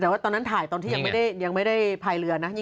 แต่ว่าตอนนั้นถ่ายตอนที่ยังไม่ได้พายเรือนะ